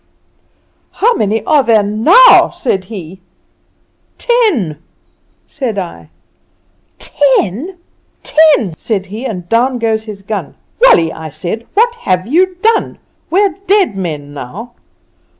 "'How many are there now?' said he. "'Ten,' said I. "'Ten! ten!' said he; and down goes his gun. "'Wallie,' I said, 'what have you done? We're dead men now.